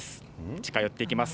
近寄っていきます。